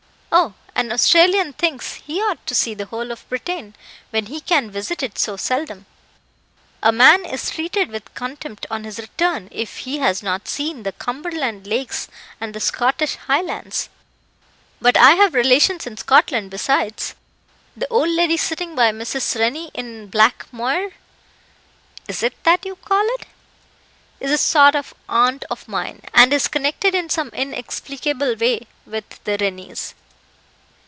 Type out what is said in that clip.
"Oh, an Australian thinks he ought to see the whole of Britain, when he can visit it so seldom. A man is treated with contempt on his return if he has not seen the Cumberland lakes and the Scottish Highlands. But I have relations in Scotland besides; the old lady sitting by Mrs. Rennie in black MOIRE (is it that you call it?) is a sort of aunt of mine, and is connected in some inexplicable way with the Rennies.